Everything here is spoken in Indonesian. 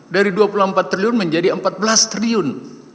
dari dua puluh empat triliun menjadi empat belas triliun